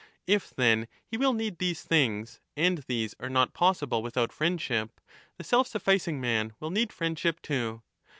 If, then, he will need these things, and these are not possible without friendship, the self sufficing man will need friendship too.